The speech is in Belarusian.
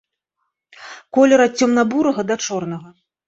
Колер ад цёмна-бурага да чорнага.